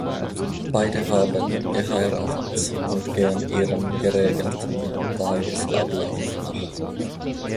Beide haben geheiratet und gehen ihrem geregelten Tagesablauf nach.